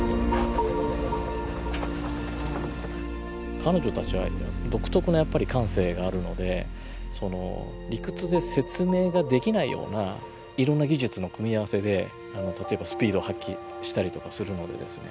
彼女たちは独特のやっぱり感性があるのでその理屈で説明ができないようないろんな技術の組み合わせで例えばスピードを発揮したりとかするのでですね。